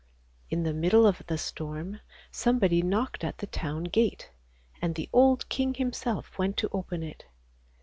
In the middle of the storm somebody knocked at the town gate, and the old king himself went to open it.